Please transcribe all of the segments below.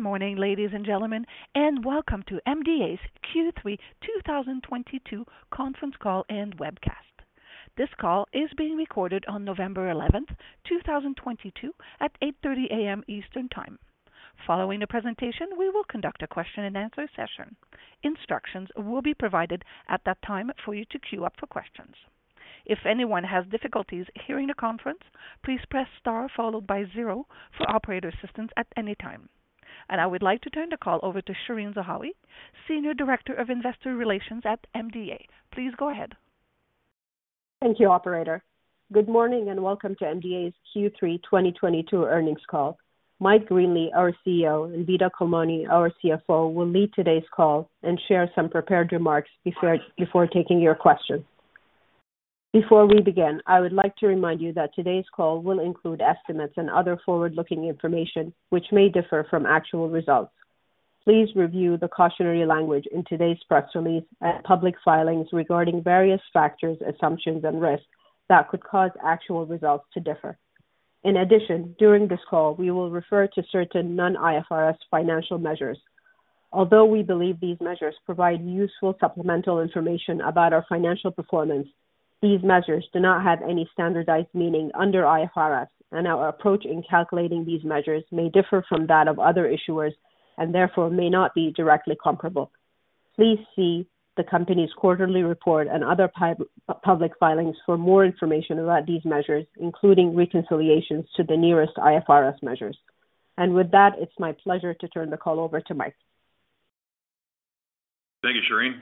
Good morning, ladies and gentlemen, and welcome to MDA's Q3 2022 Conference Call and webcast. This call is being recorded on 11th November 2022 at 8:30 A.M. Eastern Time. Following the presentation, we will conduct a question and answer session. Instructions will be provided at that time for you to queue up for questions. If anyone has difficulties hearing the conference, please Press Star followed by zero for operator assistance at any time. I would like to turn the call over to Shereen Zahawi, Senior Director of Investor Relations at MDA. Please go ahead. Thank you, operator. Good morning and welcome to MDA's Q3 2022 earnings call. Mike Greenley, our CEO, and Vito Culmone, our CFO, will lead today's call and share some prepared remarks before taking your questions. Before we begin, I would like to remind you that today's call will include estimates and other forward-looking information which may differ from actual results. Please review the cautionary language in today's press release at public filings regarding various factors, assumptions, and risks that could cause actual results to differ. In addition, during this call, we will refer to certain non-IFRS financial measures. Although we believe these measures provide useful supplemental information about our financial performance, these measures do not have any standardized meaning under IFRS, and our approach in calculating these measures may differ from that of other issuers and therefore may not be directly comparable. Please see the company's quarterly report and other public filings for more information about these measures, including reconciliations to the nearest IFRS measures. With that, it's my pleasure to turn the call over to Mike. Thank you, Shereen.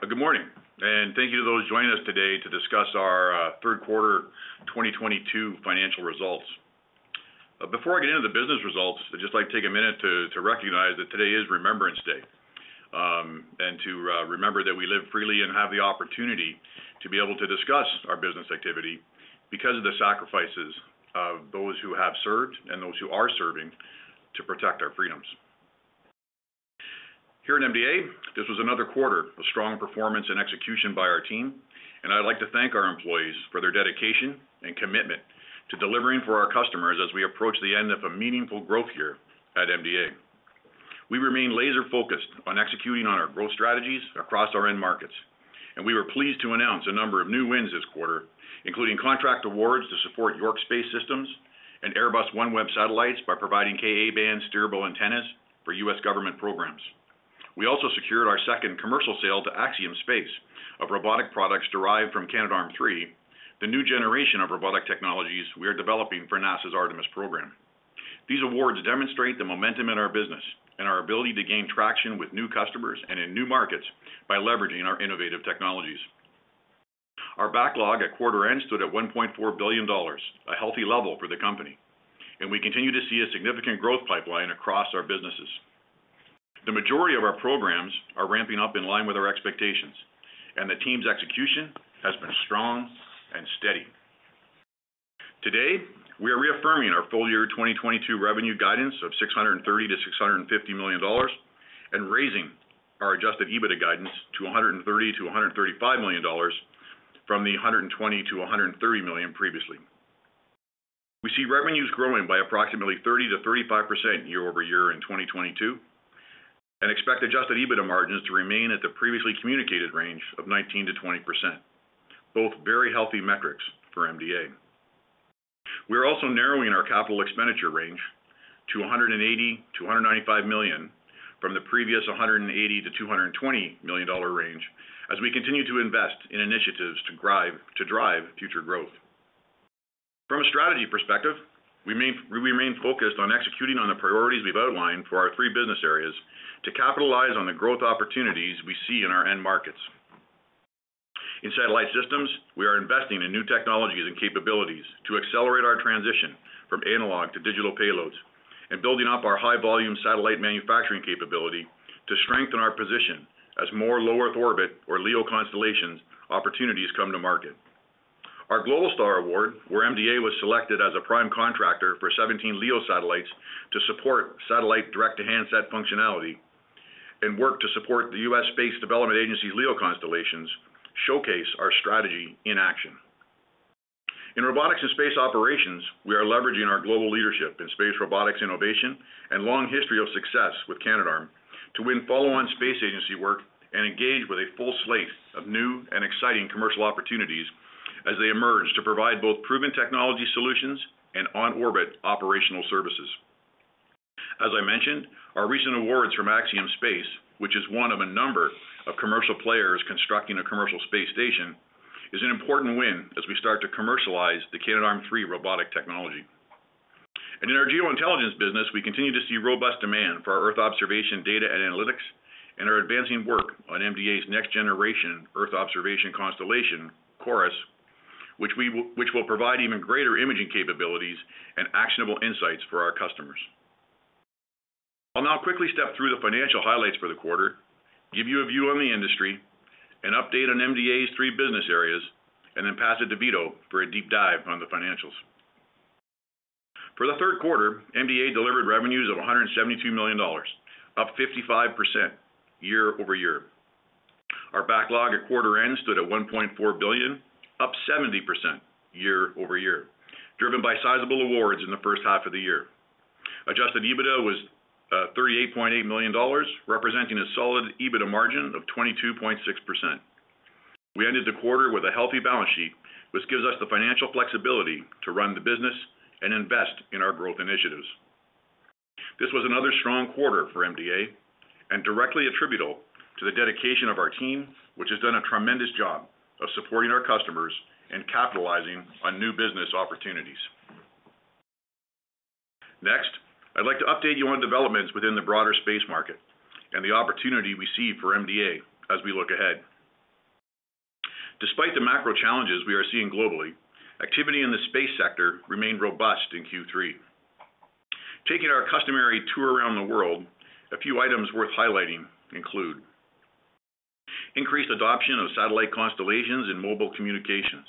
Good morning, and thank you to those joining us today to discuss our third quarter 2022 financial results. Before I get into the business results, I'd just like to take a minute to recognize that today is Remembrance Day, and to remember that we live freely and have the opportunity to be able to discuss our business activity because of the sacrifices of those who have served and those who are serving to protect our freedoms. Here at MDA, this was another quarter of strong performance and execution by our team, and I'd like to thank our employees for their dedication and commitment to delivering for our customers as we approach the end of a meaningful growth year at MDA. We remain laser-focused on executing on our growth strategies across our end markets, and we were pleased to announce a number of new wins this quarter, including contract awards to support York Space Systems and Airbus OneWeb Satellites by providing Ka-band steerable antennas for U.S. government programs. We also secured our second commercial sale to Axiom Space of robotic products derived from Canadarm3, the new generation of robotic technologies we are developing for NASA's Artemis program. These awards demonstrate the momentum in our business and our ability to gain traction with new customers and in new markets by leveraging our innovative technologies. Our backlog at quarter end stood at 1.4 billion dollars, a healthy level for the company, and we continue to see a significant growth pipeline across our businesses. The majority of our programs are ramping up in line with our expectations, and the team's execution has been strong and steady. Today, we are reaffirming our full-year 2022 revenue guidance of 630 million-650 million dollars and raising our adjusted EBITDA guidance to 130 million-135 million dollars from a hundred and twenty to a hundred and thirty million previously. We see revenues growing by approximately 30%-35% year-over-year in 2022 and expect adjusted EBITDA margins to remain at the previously communicated range of 19%-20%, both very healthy metrics for MDA. We're also narrowing our capital expenditure range to $180 million-$195 million from the previous $180 million-$220 million dollar range as we continue to invest in initiatives to drive future growth. From a strategy perspective, we remain focused on executing on the priorities we've outlined for our three business areas to capitalize on the growth opportunities we see in our end markets. In satellite systems, we are investing in new technologies and capabilities to accelerate our transition from analog to digital payloads and building up our high-volume satellite manufacturing capability to strengthen our position as more low Earth orbit or LEO constellations opportunities come to market. Our Globalstar award, where MDA was selected as a prime contractor for 17 LEO satellites to support satellite direct-to-handset functionality and work to support the U.S. Space Development Agency LEO constellations, showcase our strategy in action. In robotics and space operations, we are leveraging our global leadership in space robotics innovation and long history of success with Canadarm to win follow-on space agency work and engage with a full slate of new and exciting commercial opportunities as they emerge to provide both proven technology solutions and on-orbit operational services. As I mentioned, our recent awards from Axiom Space, which is one of a number of commercial players constructing a commercial space station, is an important win as we start to commercialize the Canadarm3 robotic technology. In our geo-intelligence business, we continue to see robust demand for our Earth observation data and analytics, and are advancing work on MDA's next-generation Earth observation constellation, Chorus, which will provide even greater imaging capabilities and actionable insights for our customers. I'll now quickly step through the financial highlights for the quarter, give you a view on the industry, an update on MDA's three business areas, and then pass it to Vito for a deep dive on the financials. For the third quarter, MDA delivered revenues of 172 million dollars, up 55% year-over-year. Our backlog at quarter end stood at 1.4 billion, up 70% year-over-year, driven by sizable awards in the first half of the year. Adjusted EBITDA was 38.8 million dollars, representing a solid EBITDA margin of 22.6%. We ended the quarter with a healthy balance sheet, which gives us the financial flexibility to run the business and invest in our growth initiatives. This was another strong quarter for MDA and directly attributable to the dedication of our team, which has done a tremendous job of supporting our customers and capitalizing on new business opportunities. Next, I'd like to update you on developments within the broader space market and the opportunity we see for MDA as we look ahead. Despite the macro challenges we are seeing globally, activity in the space sector remained robust in Q3. Taking our customary tour around the world, a few items worth highlighting include increased adoption of satellite constellations in mobile communications.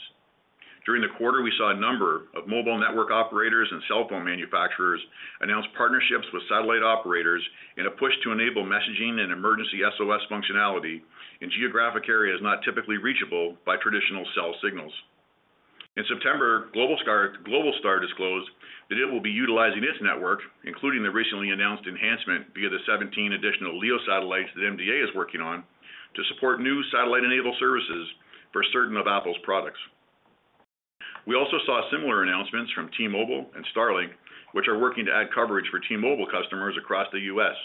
During the quarter, we saw a number of mobile network operators and cell phone manufacturers announce partnerships with satellite operators in a push to enable messaging and emergency SOS functionality in geographic areas not typically reachable by traditional cell signals. In September, Globalstar disclosed that it will be utilizing its network, including the recently announced enhancement via the 17 additional LEO satellites that MDA is working on, to support new satellite-enabled services for certain of Apple's products. We also saw similar announcements from T-Mobile and Starlink, which are working to add coverage for T-Mobile customers across the U.S.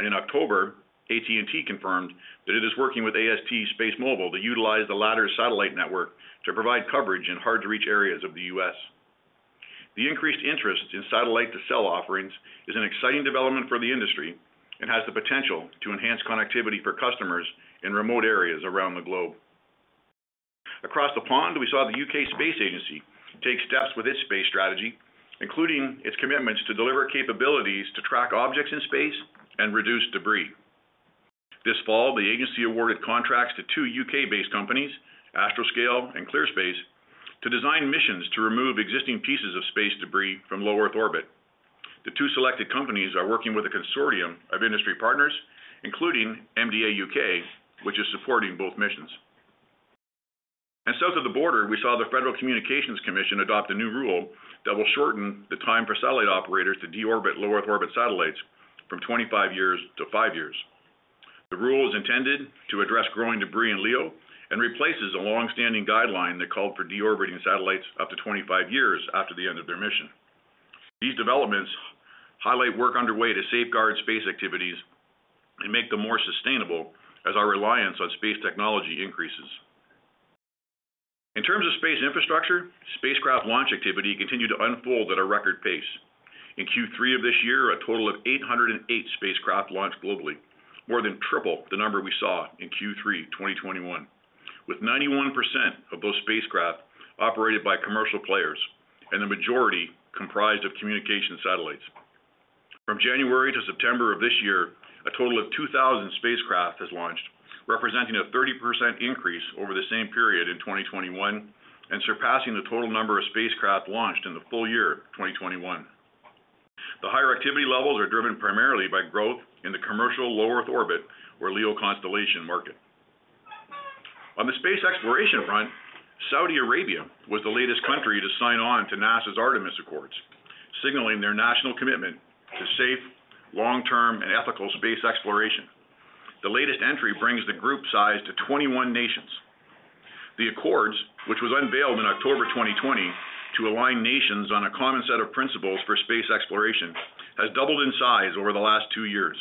In October, AT&T confirmed that it is working with AST SpaceMobile to utilize the latter's satellite network to provide coverage in hard-to-reach areas of the U.S. The increased interest in satellite-to-cell offerings is an exciting development for the industry and has the potential to enhance connectivity for customers in remote areas around the globe. Across the pond, we saw the U.K. Space Agency take steps with its space strategy, including its commitments to deliver capabilities to track objects in space and reduce debris. This fall, the agency awarded contracts to two U.K. ased companies, Astroscale and ClearSpace, to design missions to remove existing pieces of space debris from low Earth orbit. The two selected companies are working with a consortium of industry partners, including MDA U.K., which is supporting both missions. South of the border, we saw the Federal Communications Commission adopt a new rule that will shorten the time for satellite operators to de-orbit low Earth orbit satellites from 25 years-5 years. The rule is intended to address growing debris in LEO and replaces a long-standing guideline that called for de-orbiting satellites up to 25 years after the end of their mission. These developments highlight work underway to safeguard space activities and make them more sustainable as our reliance on space technology increases. In terms of space infrastructure, spacecraft launch activity continued to unfold at a record pace. In Q3 of this year, a total of 808 spacecraft launched globally, more than triple the number we saw in Q3 2021, with 91% of those spacecraft operated by commercial players and the majority comprised of communication satellites. From January to September of this year, a total of 2,000 spacecraft has launched, representing a 30% increase over the same period in 2021 and surpassing the total number of spacecraft launched in the full year of 2021. The higher activity levels are driven primarily by growth in the commercial low Earth orbit or LEO constellation market. On the space exploration front, Saudi Arabia was the latest country to sign on to NASA's Artemis Accords, signaling their national commitment to safe, long-term, and ethical space exploration. The latest entry brings the group size to 21 nations. The accords, which were unveiled in October 2020 to align nations on a common set of principles for space exploration, have doubled in size over the last two years,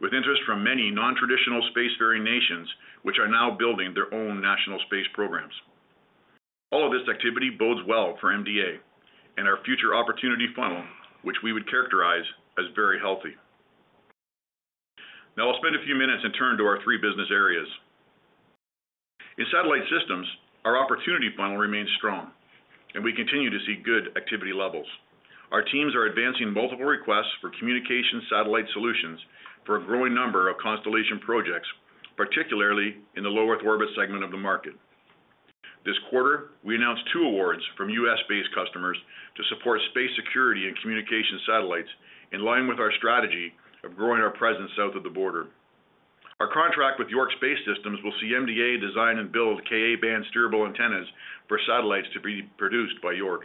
with interest from many non-traditional spacefaring nations, which are now building their own national space programs. All of this activity bodes well for MDA and our future opportunity funnel, which we would characterize as very healthy. Now I'll spend a few minutes and turn to our 3 business areas. In satellite systems, our opportunity funnel remains strong and we continue to see good activity levels. Our teams are advancing multiple requests for communication satellite solutions for a growing number of constellation projects, particularly in the low Earth orbit segment of the market. This quarter, we announced two awards from U.S.-based customers to support space security and communication satellites in line with our strategy of growing our presence south of the border. Our contract with York Space Systems will see MDA design and build Ka-band steerable antennas for satellites to be produced by York.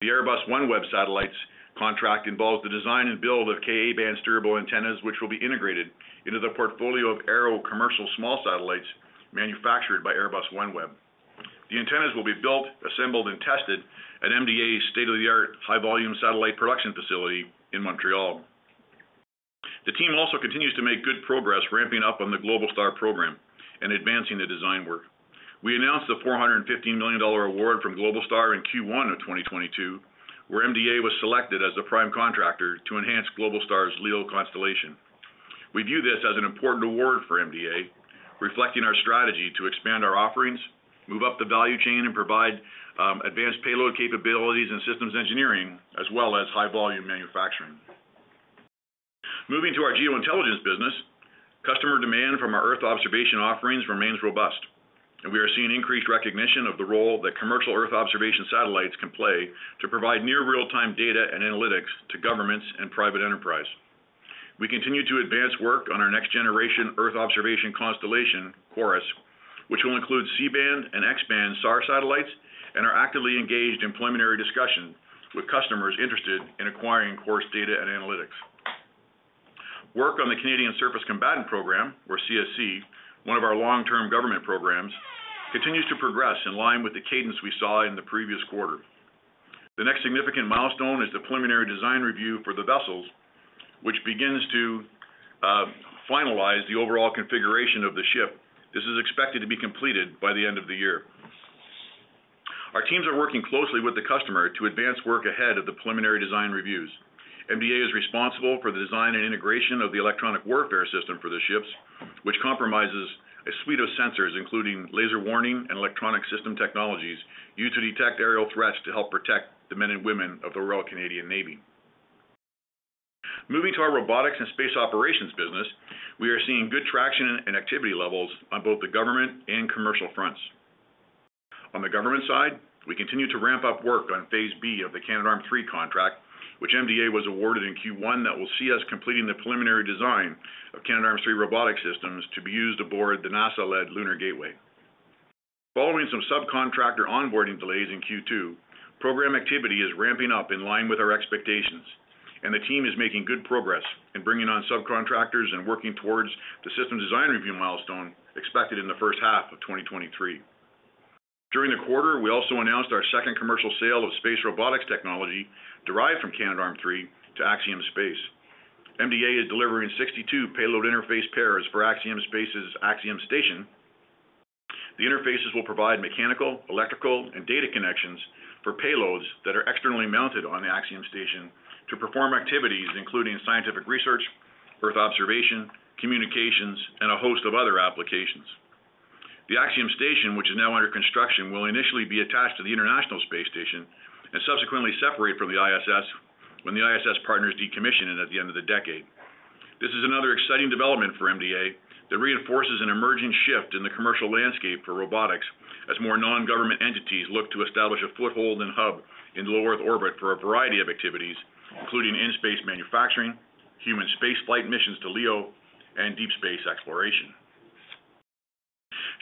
The Airbus OneWeb Satellites contract involves the design and build of Ka-band steerable antennas, which will be integrated into the portfolio of aero commercial small satellites manufactured by Airbus OneWeb. The antennas will be built, assembled, and tested at MDA's state-of-the-art high-volume satellite production facility in Montreal. The team also continues to make good progress ramping up on the Globalstar program and advancing the design work. We announced the $415 million award from Globalstar in Q1 of 2022, where MDA was selected as the prime contractor to enhance Globalstar's LEO constellation. We view this as an important award for MDA, reflecting our strategy to expand our offerings, move up the value chain, and provide advanced payload capabilities and systems engineering as well as high-volume manufacturing. Moving to our geointelligence business, customer demand from our Earth observation offerings remains robust. We are seeing increased recognition of the role that commercial Earth observation satellites can play to provide near real-time data and analytics to governments and private enterprise. We continue to advance work on our next generation Earth observation constellation, CHORUS, which will include C-band and X-band SAR satellites, and are actively engaged in preliminary discussion with customers interested in acquiring CHORUS data and analytics. Work on the Canadian Surface Combatant program, or CSC, one of our long-term government programs, continues to progress in line with the cadence we saw in the previous quarter. The next significant milestone is the preliminary design review for the vessels, which begins to finalize the overall configuration of the ship. This is expected to be completed by the end of the year. Our teams are working closely with the customer to advance work ahead of the preliminary design reviews. MDA is responsible for the design and integration of the electronic warfare system for the ships, which comprises a suite of sensors, including laser warning and electronic system technologies, used to detect aerial threats to help protect the men and women of the Royal Canadian Navy. Moving to our robotics and space operations business, we are seeing good traction and activity levels on both the government and commercial fronts. On the government side, we continue to ramp up work on phase B of the Canadarm3 contract, which MDA was awarded in Q1 that will see us completing the preliminary design of Canadarm3 robotic systems to be used aboard the NASA-led Lunar Gateway. Following some subcontractor onboarding delays in Q2, program activity is ramping up in line with our expectations, and the team is making good progress in bringing on subcontractors and working towards the system design review milestone expected in the first half of 2023. During the quarter, we also announced our second commercial sale of space robotics technology derived from Canadarm3 to Axiom Space. MDA is delivering 62 payload interface pairs for Axiom Space's Axiom Station. The interfaces will provide mechanical, electrical, and data connections for payloads that are externally mounted on the Axiom Station to perform activities including scientific research, earth observation, communications, and a host of other applications. The Axiom Station, which is now under construction, will initially be attached to the International Space Station and subsequently separate from the ISS when the ISS partners decommission it at the end of the decade. This is another exciting development for MDA that reinforces an emerging shift in the commercial landscape for robotics as more non-government entities look to establish a foothold and hub in low Earth orbit for a variety of activities, including in-space manufacturing, human space flight missions to LEO, and deep space exploration.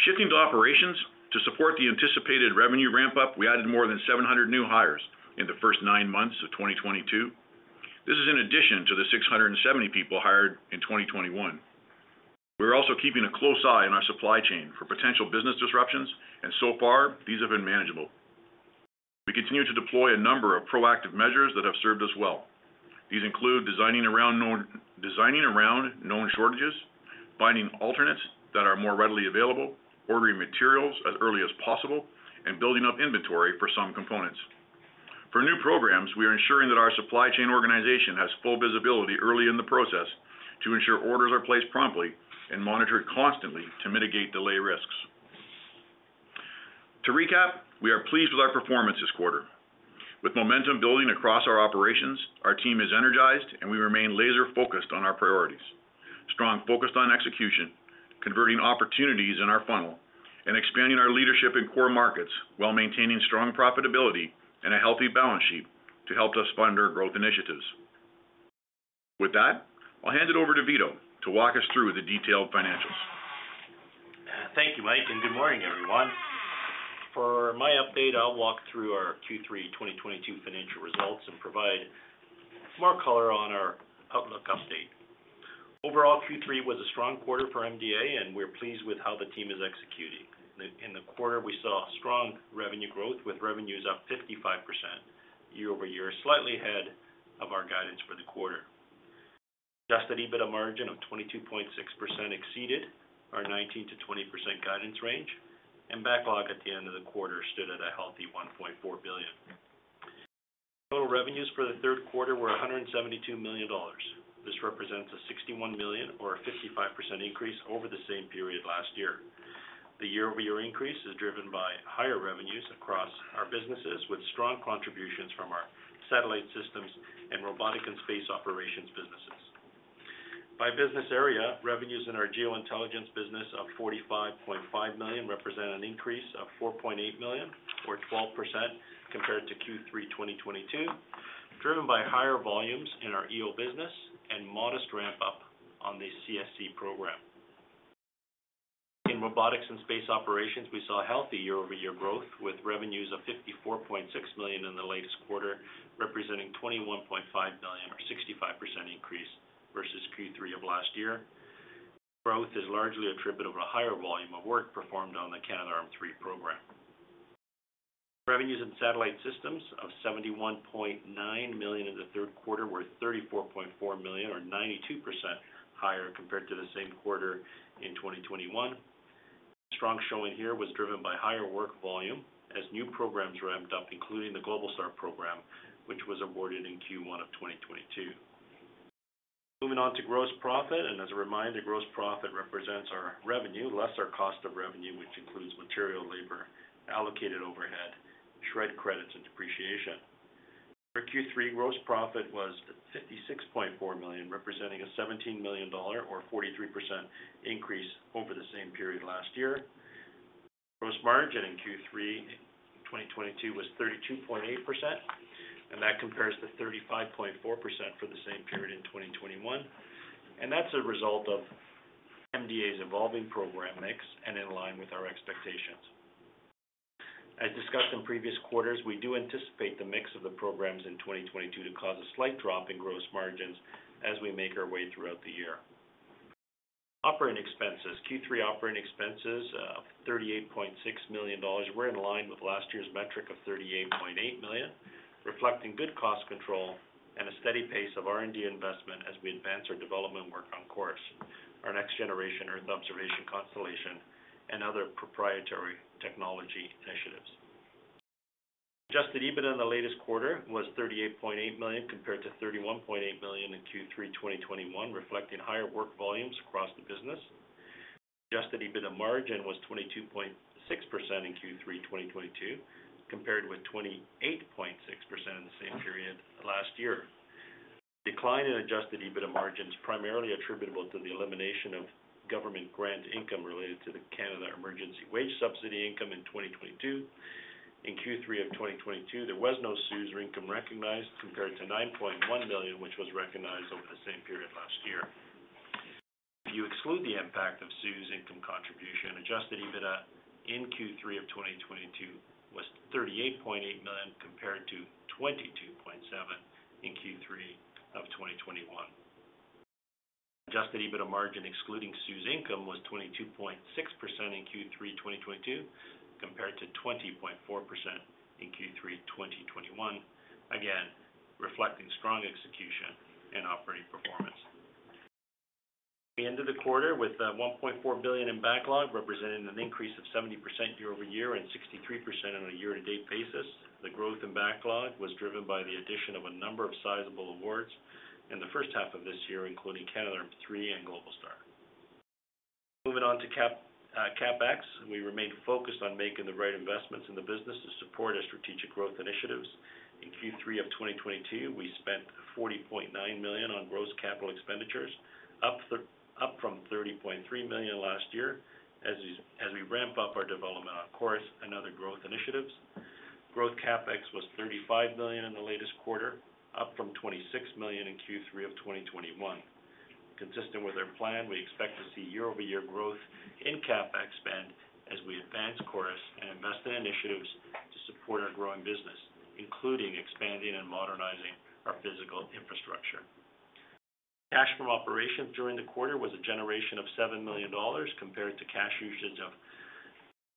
Shifting to operations. To support the anticipated revenue ramp-up, we added more than 700 new hires in the first nine months of 2022. This is in addition to the 670 people hired in 2021. We're also keeping a close eye on our supply chain for potential business disruptions, and so far, these have been manageable. We continue to deploy a number of proactive measures that have served us well. These include designing around known shortages, finding alternates that are more readily available, ordering materials as early as possible, and building up inventory for some components. For new programs, we are ensuring that our supply chain organization has full visibility early in the process to ensure orders are placed promptly and monitored constantly to mitigate delay risks. To recap, we are pleased with our performance this quarter. With momentum building across our operations, our team is energized and we remain laser-focused on our priorities. Strongly focused on execution, converting opportunities in our funnel, and expanding our leadership in core markets while maintaining strong profitability and a healthy balance sheet to help us fund our growth initiatives. With that, I'll hand it over to Vito to walk us through the detailed financials. Thank you, Mike, and good morning, everyone. For my update, I'll walk through our Q3 2022 financial results and provide more color on our outlook update. Overall, Q3 was a strong quarter for MDA, and we're pleased with how the team is executing. In the quarter, we saw strong revenue growth with revenues up 55% year-over-year, slightly ahead of our guidance for the quarter. Adjusted EBITDA margin of 22.6% exceeded our 19%-20% guidance range, and backlog at the end of the quarter stood at a healthy 1.4 billion. Total revenues for the third quarter were 172 million dollars. This represents a 61 million or a 55% increase over the same period last year. The year-over-year increase is driven by higher revenues across our businesses with strong contributions from our satellite systems and Robotics and Space Operations businesses. By business area, revenues in our Geointelligence business of 45.5 million represent an increase of 4.8 million or 12% compared to Q3 2022, driven by higher volumes in our EO business and modest ramp-up on the CSC program. In Robotics and Space Operations, we saw healthy year-over-year growth with revenues of 54.6 million in the latest quarter, representing 21.5 million or 65% increase versus Q3 of last year. Growth is largely attributable to higher volume of work performed on the Canadarm3 program. Revenues in satellite systems of 71.9 million in the third quarter were 34.4 million or 92% higher compared to the same quarter in 2021. Strong showing here was driven by higher work volume as new programs ramped up, including the Globalstar program, which was awarded in Q1 of 2022. Moving on to gross profit, and as a reminder, gross profit represents our revenue, less our cost of revenue, which includes material credits and depreciation. Our Q3 gross profit was at 56.4 million, representing a 17 million dollar or 43% increase over the same period last year. Gross margin in Q3 2022 was 32.8%, and that compares to 35.4% for the same period in 2021. That's a result of MDA's evolving program mix and in line with our expectations. As discussed in previous quarters, we do anticipate the mix of the programs in 2022 to cause a slight drop in gross margins as we make our way throughout the year. Operating expenses. Q3 operating expenses of $38.6 million were in line with last year's metric of $38.8 million, reflecting good cost control and a steady pace of R&D investment as we advance our development work on CHORUS, our next-generation Earth observation constellation and other proprietary technology initiatives. Adjusted EBITDA in the latest quarter was $38.8 million, compared to $31.8 million in Q3 2021, reflecting higher work volumes across the business. Adjusted EBITDA margin was 22.6% in Q3 2022, compared with 28.6% in the same period last year. Decline in adjusted EBITDA margin is primarily attributable to the elimination of government grant income related to the Canada Emergency Wage Subsidy income in 2022. In Q3 of 2022, there was no CEWS income recognized, compared to 9.1 million, which was recognized over the same period last year. If you exclude the impact of CEWS income contribution, adjusted EBITDA in Q3 of 2022 was 38.8 million, compared to 22.7 million in Q3 of 2021. Adjusted EBITDA margin excluding CEWS income was 22.6% in Q3 2022 compared to 20.4% in Q3 2021, again reflecting strong execution and operating performance. We ended the quarter with 1.4 billion in backlog, representing an increase of 70% year-over-year and 63% on a year-to-date basis. The growth in backlog was driven by the addition of a number of sizable awards in the first half of this year, including Canadarm3 and Globalstar. Moving on to CapEx. We remain focused on making the right investments in the business to support our strategic growth initiatives. In Q3 of 2022, we spent 40.9 million on gross capital expenditures, up from 30.3 million last year as we ramp up our development on CHORUS and other growth initiatives. Growth CapEx was 35 million in the latest quarter, up from 26 million in Q3 of 2021. Consistent with our plan, we expect to see year-over-year growth in CapEx spend as we advance CHORUS and invest in initiatives to support our growing business, including expanding and modernizing our physical infrastructure. Cash from operations during the quarter was a generation of 7 million dollars, compared to cash usage of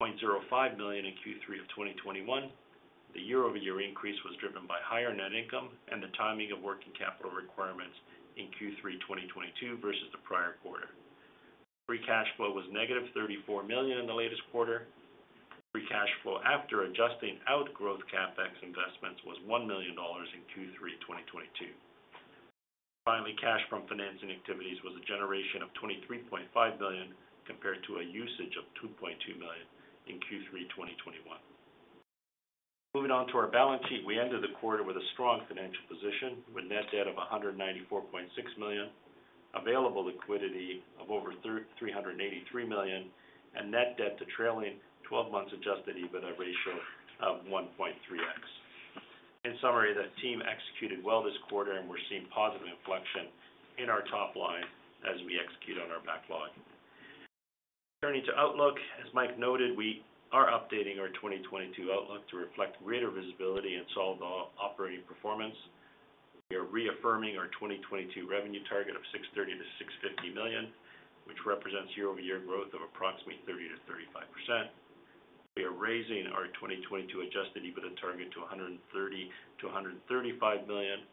0.05 million in Q3 of 2021. The year-over-year increase was driven by higher net income and the timing of working capital requirements in Q3 2022 versus the prior quarter. Free cash flow was -34 million in the latest quarter. Free cash flow after adjusting out growth CapEx investments was 1 million dollars in Q3 2022. Finally, cash from financing activities was a generation of 23.5 million, compared to a usage of 2.2 million in Q3 2021. Moving on to our balance sheet. We ended the quarter with a strong financial position, with net debt of 194.6 million, available liquidity of over 383 million, and net debt to trailing twelve months adjusted EBITDA ratio of 1.3x. In summary, the team executed well this quarter, and we're seeing positive inflection in our top line as we execute on our backlog. Turning to outlook, as Mike noted, we are updating our 2022 outlook to reflect greater visibility and solid operating performance. We are reaffirming our 2022 revenue target of 630 million-650 million, which represents year-over-year growth of approximately 30%-35%. We are raising our 2022 adjusted EBITDA target to 130 million-135 million,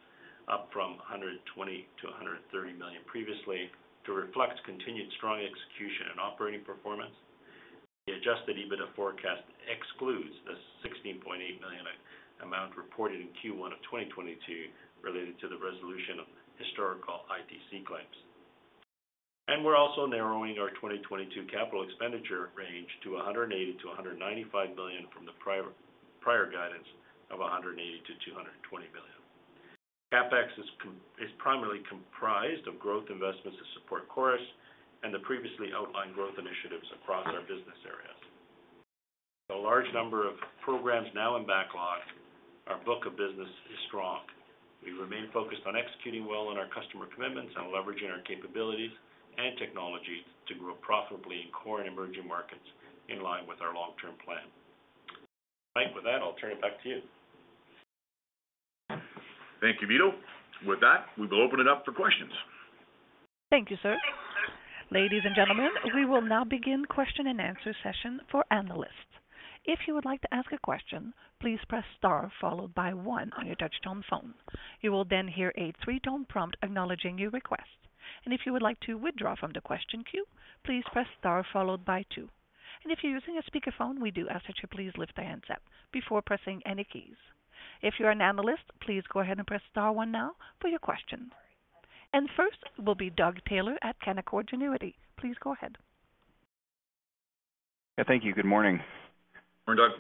up from 120 million-130 million previously to reflect continued strong execution and operating performance. The adjusted EBITDA forecast excludes the 16.8 million amount reported in Q1 of 2022 related to the resolution of historical IDC claims. We're also narrowing our 2022 capital expenditure range to 180 million-195 million from the prior guidance of 180 million-220 million. CapEx is primarily comprised of growth investments to support CHORUS and the previously outlined growth initiatives across our business areas. With a large number of programs now in backlog, our book of business is strong. We remain focused on executing well on our customer commitments and leveraging our capabilities and technologies to grow profitably in core and emerging markets in line with our long-term plan. Mike, with that, I'll turn it back to you. Thank you, Vito. With that, we will open it up for questions. Thank you, sir. Ladies and gentlemen, we will now begin question and answer session for analysts. If you would like to ask a question, please press star followed by one on your touch tone phone. You will then hear a three-tone prompt acknowledging your request. If you would like to withdraw from the question queue, please press star followed by two. If you're using a speaker phone, we do ask that you please lift the handset before pressing any keys. If you're an analyst, please go ahead and press star one now for your question. First will be Doug Taylor at Canaccord Genuity. Please go ahead. Thank you. Good morning. Good morning,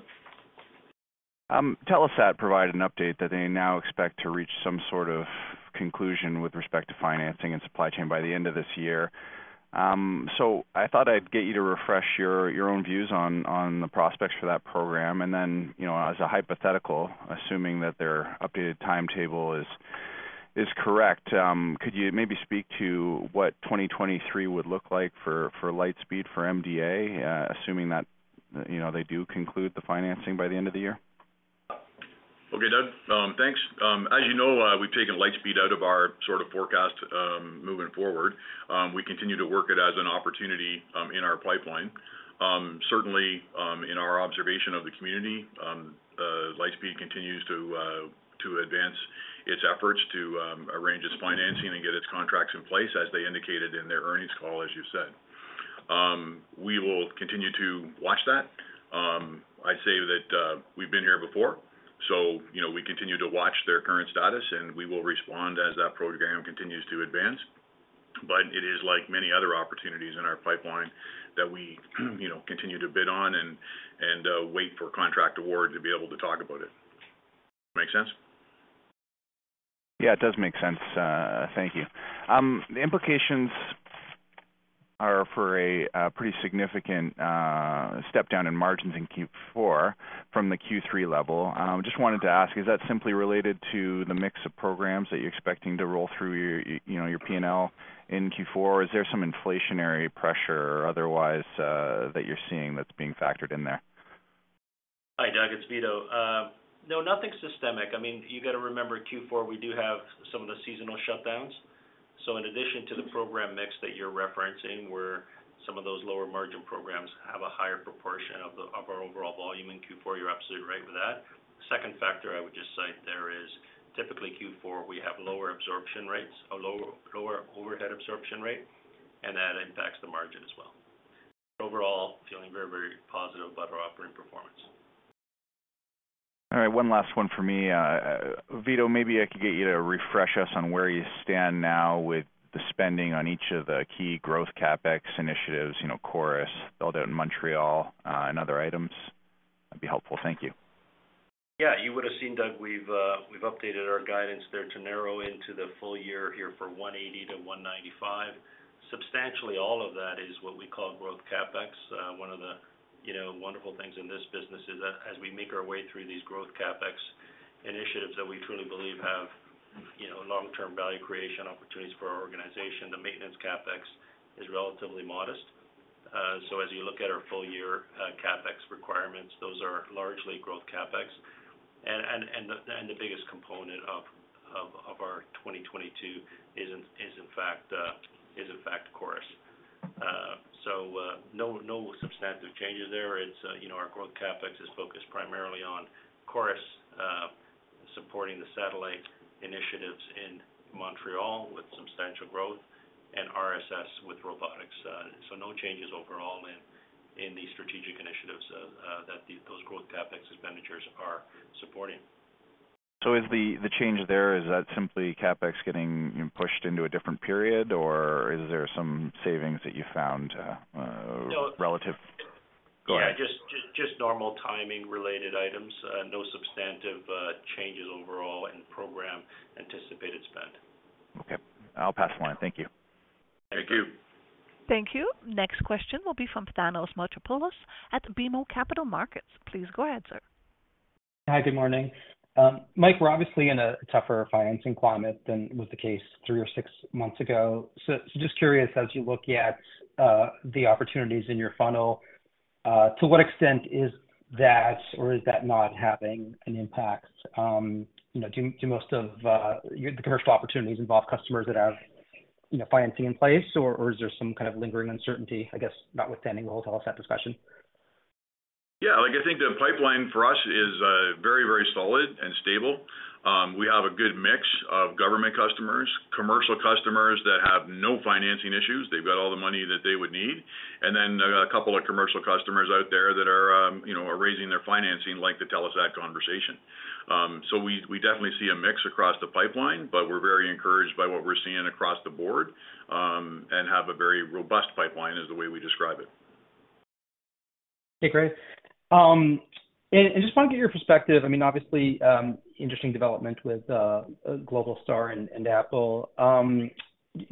Doug. Telesat provided an update that they now expect to reach some sort of conclusion with respect to financing and supply chain by the end of this year. I thought I'd get you to refresh your own views on the prospects for that program. You know, as a hypothetical, assuming that their updated timetable is correct, could you maybe speak to what 2023 would look like for Lightspeed for MDA, assuming that, you know, they do conclude the financing by the end of the year? Okay, Doug. Thanks. As you know, we've taken Lightspeed out of our sort of forecast, moving forward. We continue to work it as an opportunity in our pipeline. Certainly, in our observation of the community, Lightspeed continues to advance its efforts to arrange its financing and get its contracts in place, as they indicated in their earnings call, as you said. We will continue to watch that. I say that we've been here before, so you know, we continue to watch their current status, and we will respond as that program continues to advance. It is like many other opportunities in our pipeline that we, you know, continue to bid on and wait for contract award to be able to talk about it. Make sense? Yeah, it does make sense. Thank you. The implications are for a pretty significant step down in margins in Q4 from the Q3 level. Just wanted to ask, is that simply related to the mix of programs that you're expecting to roll through your, you know, your P&L in Q4? Is there some inflationary pressure or otherwise that you're seeing that's being factored in there? Hi, Doug. It's Vito. No, nothing systemic. I mean, you got to remember Q4, we do have some of the seasonal shutdowns. In addition to the program mix that you're referencing, where some of those lower margin programs have a higher proportion of our overall volume in Q4, you're absolutely right with that. Second factor I would just cite there is typically Q4, we have lower absorption rates, a lower overhead absorption rate, and that impacts the margin as well. Overall, feeling very, very positive about our operating performance. All right. One last one for me. Vito, maybe I could get you to refresh us on where you stand now with the spending on each of the key growth CapEx initiatives, you know, Chorus built out in Montreal, and other items. That'd be helpful. Thank you. Yeah. You would have seen, Doug, we've updated our guidance there to narrow into the full year here from 180-195. Substantially all of that is what we call growth CapEx. One of the, you know, wonderful things in this business is that as we make our way through these growth CapEx initiatives that we truly believe have, you know, long-term value creation opportunities for our organization, the maintenance CapEx is relatively modest. So as you look at our full year CapEx requirements, those are largely growth CapEx. The biggest component of our 2022 is in fact CHORUS. No substantive changes there. It's, you know, our growth CapEx is focused primarily on CHORUS, supporting the satellite initiatives in Montreal with substantial growth and RSO with robotics. No changes overall in the strategic initiatives that those growth CapEx expenditures are supporting. Is the change there simply CapEx getting pushed into a different period, or is there some savings that you found? No. Relative? Go ahead. Yeah, just normal timing related items. No substantive changes overall in program anticipated spend. Okay. I'll pass along. Thank you. Thank you. Thank you. Next question will be from Thanos Moschopoulos at BMO Capital Markets. Please go ahead, sir. Hi. Good morning. Mike, we're obviously in a tougher financing climate than was the case three or six months ago. Just curious, as you look at the opportunities in your funnel, to what extent is that or is that not having an impact? You know, do most of your commercial opportunities involve customers that have, you know, financing in place or is there some kind of lingering uncertainty, I guess, notwithstanding the whole Telesat discussion? Yeah, look, I think the pipeline for us is very, very solid and stable. We have a good mix of government customers, commercial customers that have no financing issues. They've got all the money that they would need. A couple of commercial customers out there that are, you know, are raising their financing, like the Telesat conversation. We definitely see a mix across the pipeline, but we're very encouraged by what we're seeing across the board, and have a very robust pipeline, is the way we describe it. Okay, great. Just want to get your perspective. I mean, obviously, interesting development with Globalstar and Apple.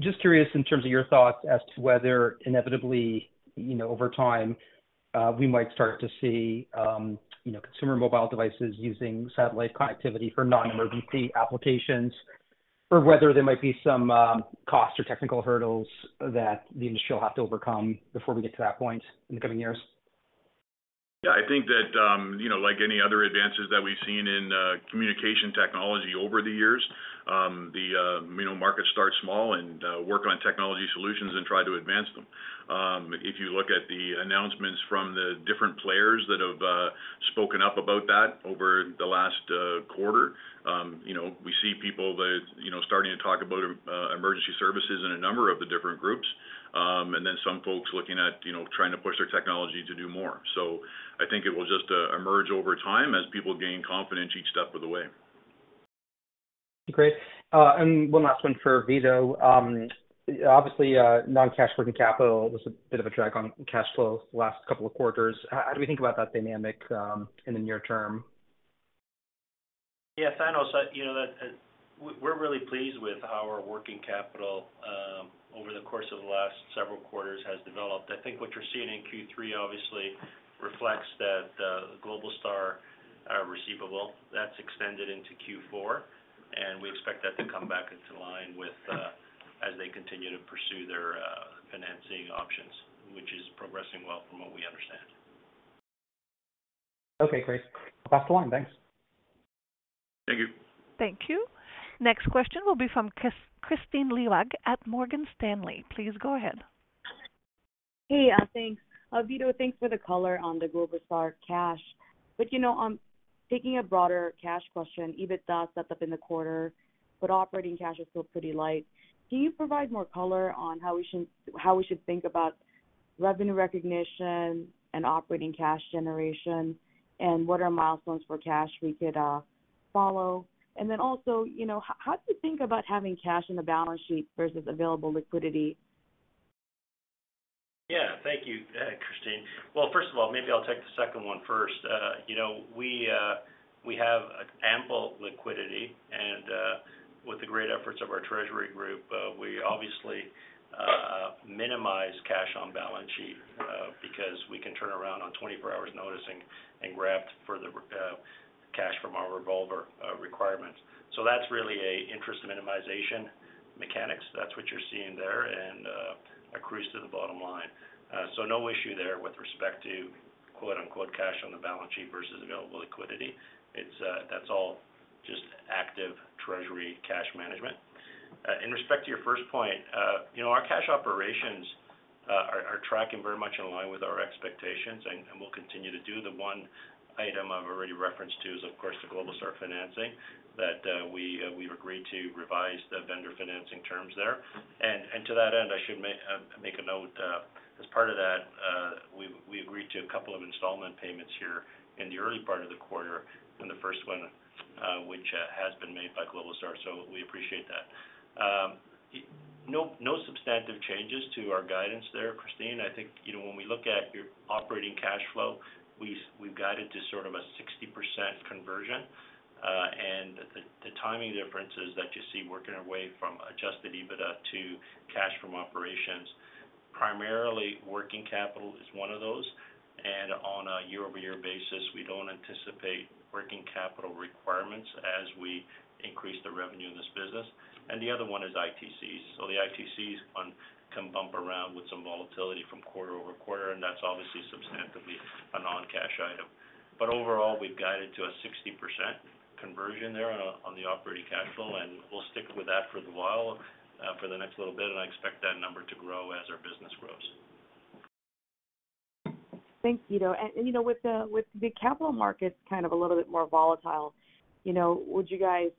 Just curious in terms of your thoughts as to whether inevitably, you know, over time, we might start to see, you know, consumer mobile devices using satellite connectivity for non-emergency applications or whether there might be some cost or technical hurdles that the industry will have to overcome before we get to that point in the coming years. Yeah, I think that, you know, like any other advances that we've seen in, communication technology over the years, the, you know, markets start small and, work on technology solutions and try to advance them. If you look at the announcements from the different players that have, spoken up about that over the last, quarter, you know, we see people that, you know, starting to talk about emergency services in a number of the different groups, and then some folks looking at, you know, trying to push their technology to do more. I think it will just emerge over time as people gain confidence each step of the way. Great. One last one for Vito. Obviously, non-cash working capital was a bit of a drag on cash flow the last couple of quarters. How do we think about that dynamic in the near term? Yeah, Thanos, you know, that, we're really pleased with how our working capital over the CHORUS of the last several quarters has developed. I think what you're seeing in Q3 obviously reflects that, Globalstar receivable that's extended into Q4, and we expect that to come back into line with, as they continue to pursue their financing options, which is progressing well from what we understand. Okay, great. Pass the line. Thanks. Thank you. Thank you. Next question will be from Kristine Liwag at Morgan Stanley. Please go ahead. Hey, thanks. Vito, thanks for the color on the Globalstar cash. You know, taking a broader cash question, EBITDA is set up in the quarter, but operating cash is still pretty light. Can you provide more color on how we should think about revenue recognition and operating cash generation and what are milestones for cash we could follow? And then also, you know, how do you think about having cash in the balance sheet versus available liquidity? Yeah. Thank you, Kristine. Well, first of all, maybe I'll take the second one first. You know, we have ample liquidity and, with the great efforts of our treasury group, we obviously minimize cash on balance sheet, because we can turn around on 24 hours notice and grab the cash from our revolver requirements. So that's really a interest minimization mechanics. That's what you're seeing there, and accrues to the bottom line. So no issue there with respect to quote-unquote, "cash on the balance sheet" versus available liquidity. It's, that's all just active treasury cash management. In respect to your first point, you know, our cash operations are tracking very much in line with our expectations and will continue to do. The one item I've already referenced to is of CHORUS, the Globalstar financing that we've agreed to revise the vendor financing terms there. To that end, I should make a note, as part of that, we agreed to a couple of installment payments here in the early part of the quarter from the first one, which has been made by Globalstar. We appreciate that. No substantive changes to our guidance there, Kristine. I think, you know, when we look at your operating cash flow, we've guided to sort of a 60% conversion, and the timing differences that you see working our way from adjusted EBITDA to cash from operations, primarily working capital is one of those. On a year-over-year basis, we don't anticipate working capital requirements as we increase the revenue in this business. The other one is ITCs. The ITCs can bump around with some volatility from quarter-over-quarter, and that's obviously substantially a non-cash item. Overall, we've guided to a 60% conversion there on the operating cash flow, and we'll stick with that for a while, for the next little bit. I expect that number to grow as our business grows. Thanks, Vito. You know, with the capital markets kind of a little bit more volatile, you know, would you guys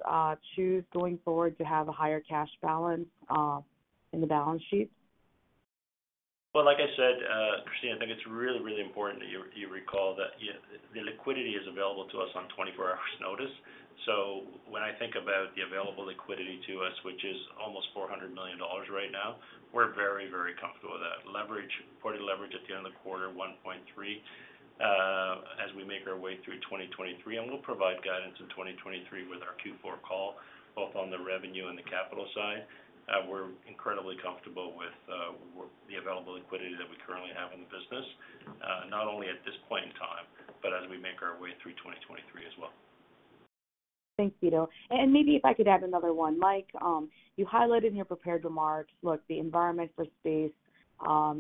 choose going forward to have a higher cash balance in the balance sheet? Well, like I said, Kristine, I think it's really, really important that you recall that the liquidity is available to us on 24 hours notice. When I think about the available liquidity to us, which is almost 400 million dollars right now, we're very, very comfortable with that. Leverage, quarter leverage at the end of the quarter, 1.3. As we make our way through 2023, and we'll provide guidance in 2023 with our Q4 call, both on the revenue and the capital side, we're incredibly comfortable with the available liquidity that we currently have in the business, not only at this point in time, but as we make our way through 2023 as well. Thanks, Vito. Maybe if I could add another one. Mike, you highlighted in your prepared remarks, look, the environment for space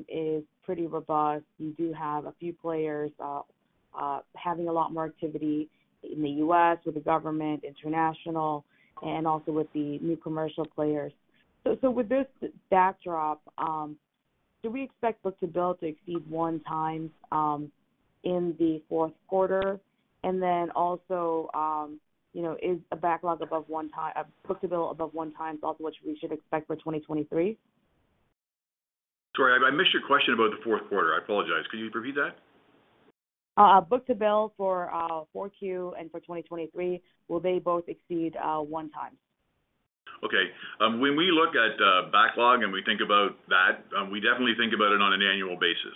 is pretty robust. You do have a few players having a lot more activity in the U.S. with the government, international, and also with the new commercial players. So with this backdrop, do we expect book-to-bill to exceed 1x in the fourth quarter? Also, you know, book-to-bill above 1x also what we should expect for 2023? Sorry, I missed your question about the fourth quarter. I apologize. Could you repeat that? Book-to-bill for Q4 and FY 2023, will they both exceed 1x? Okay. When we look at backlog and we think about that, we definitely think about it on an annual basis.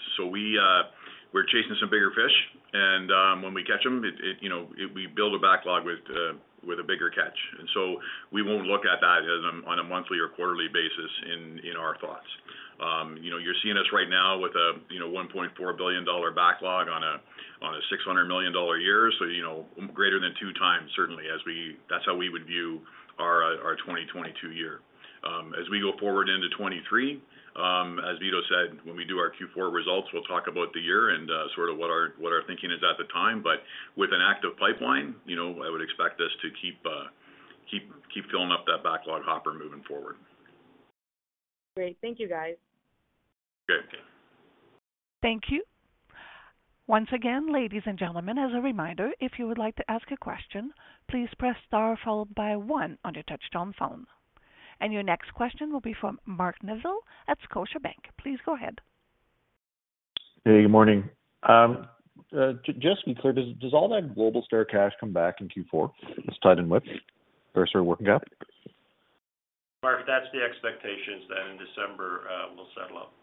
We're chasing some bigger fish and when we catch them, it you know we build a backlog with a bigger catch. We won't look at that on a monthly or quarterly basis in our thoughts. You know, you're seeing us right now with you know a 1.4 billion dollar backlog on a 600 million dollar year. You know, greater than two times. That's how we would view our 2022 year. As we go forward into 2023, as Vito said, when we do our Q4 results, we'll talk about the year and sort of what our thinking is at the time. With an active pipeline, you know, I would expect this to keep filling up that backlog hopper moving forward. Great. Thank you, guys. Sure. Thank you. Once again, ladies and gentlemen, as a reminder, if you would like to ask a question, please press Star followed by one on your touchtone phone. Your next question will be from Mark Neville at Scotiabank. Please go ahead. Hey, good morning. Just to be clear, does all that Global star cash come back in Q4 that's tied in with Earthstar working cap? Mark, that's the expectations that in December, we'll settle up.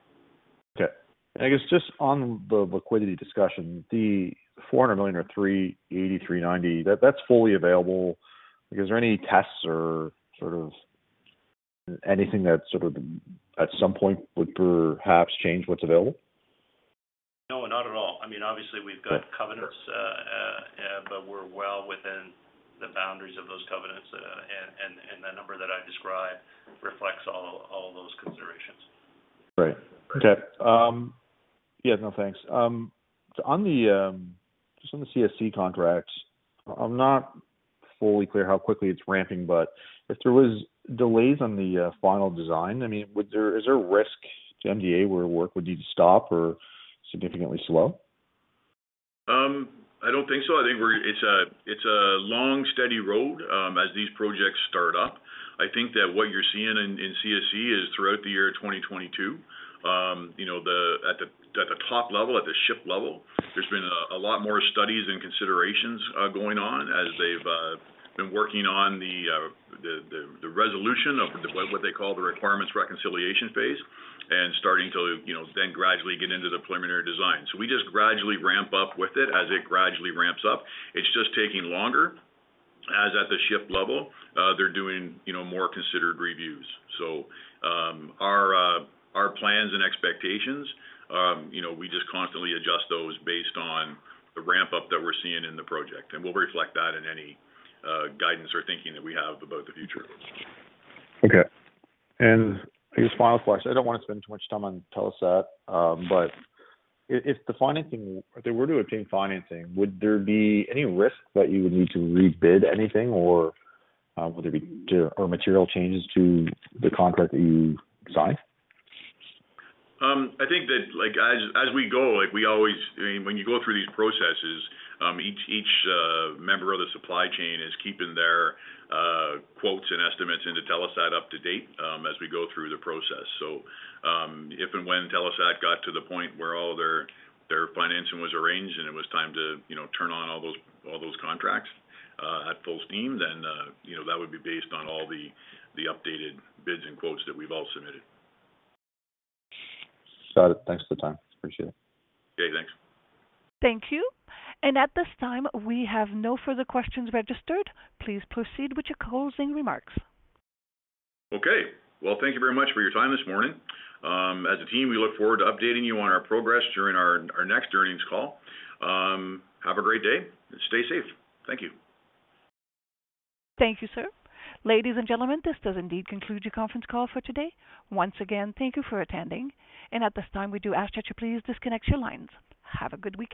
Okay. I guess just on the liquidity discussion, the 400 million or 380, 390, that's fully available. Like, is there any tests or sort of anything that sort of at some point would perhaps change what's available? No, not at all. I mean, obviously we've got covenants, but we're well within the boundaries of those covenants. The number that I described reflects all those considerations. Right. Okay. Yeah, no, thanks. On the, just on the CSC contracts, I'm not fully clear how quickly it's ramping, but if there was delays on the final design, I mean, is there risk to MDA where work would need to stop or significantly slow? I don't think so. I think it's a long, steady road as these projects start up. I think that what you're seeing in CSC is throughout the year 2022, you know, at the top level, at the ship level, there's been a lot more studies and considerations going on as they've been working on the resolution of what they call the requirements reconciliation phase and starting to, you know, then gradually get into the preliminary design. We just gradually ramp up with it as it gradually ramps up. It's just taking longer as at the ship level they're doing, you know, more considered reviews. Our plans and expectations, you know, we just constantly adjust those based on the ramp up that we're seeing in the project, and we'll reflect that in any guidance or thinking that we have about the future. Okay. I guess final question, I don't wanna spend too much time on Telesat, but if they were to obtain financing, would there be any risk that you would need to rebid anything or material changes to the contract that you signed? I think that, like, as we go, like, I mean, when you go through these processes, each member of the supply chain is keeping their quotes and estimates into Telesat up to date, as we go through the process. If and when Telesat got to the point where all their financing was arranged and it was time to, you know, turn on all those contracts at full steam, then, you know, that would be based on all the updated bids and quotes that we've all submitted. Got it. Thanks for the time. Appreciate it. Okay, thanks. Thank you. At this time, we have no further questions registered. Please proceed with your closing remarks. Okay. Well, thank you very much for your time this morning. As a team, we look forward to updating you on our progress during our next Earnings Call. Have a great day, and stay safe. Thank you. Thank you, sir. Ladies and gentlemen, this does indeed conclude your Conference Call for today. Once again, thank you for attending. At this time, we do ask that you please disconnect your lines. Have a good weekend.